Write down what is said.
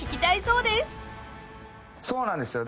そうなんですよ。